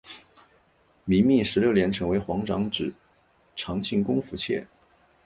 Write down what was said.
明命十六年成为皇长子长庆公府妾。